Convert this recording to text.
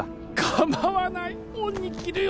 かまわない恩に着るよ